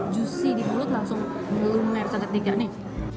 juicy di mulut langsung melumar secetika nih